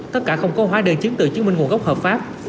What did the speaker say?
tất cả không có hóa đơn chứng từ chứng minh nguồn gốc hợp pháp